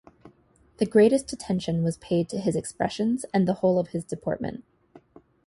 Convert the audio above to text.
The greatest attention was paid to his expressions, and the whole of his deportment.